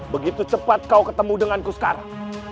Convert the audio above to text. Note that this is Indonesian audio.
begitu cepat kau ketemu denganku sekarang